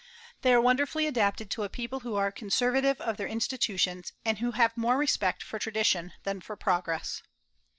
They are wonderfully adapted to a people who are conservative of their institutions, and who have more respect for tradition than for progress.